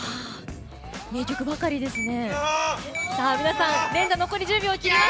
名曲ばかりですね。